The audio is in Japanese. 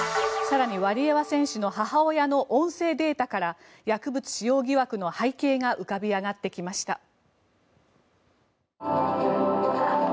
更にワリエワ選手の母親の音声データから薬物使用疑惑の背景が浮かび上がってきました。